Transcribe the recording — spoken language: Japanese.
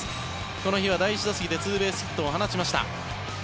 この日は第１打席でツーベースヒットを放ちました。